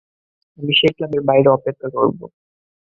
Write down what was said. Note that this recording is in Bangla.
আমি সেই ক্লাবের বাইরে অপেক্ষা করব।